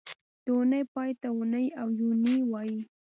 د اونۍ پای ته اونۍ او یونۍ وایي